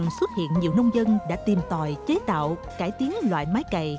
ngày càng xuất hiện nhiều nông dân đã tìm tòi chế tạo cải tiến loại mái cày